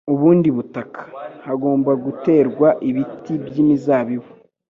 ubundi butaka. Hagomba guterwa ibiti by’imizabibu,